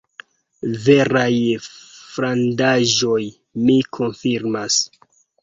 Veraj frandaĵoj, mi konfirmas.